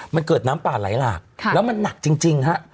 มันเกิดน้ำป่าไหลหลากแล้วมันหนักจริงฮะ